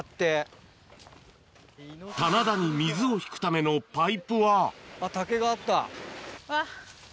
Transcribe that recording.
棚田に水を引くためのパイプはあっ竹があった。